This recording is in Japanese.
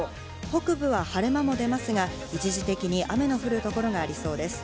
北部は晴れ間も出ますが、一時的に雨の降る所がありそうです。